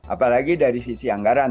apalagi dari sisi anggaran